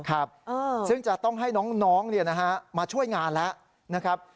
ครับซึ่งจะต้องให้น้องมาช่วยงานแล้วนะครับ